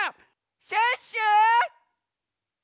シュッシュ！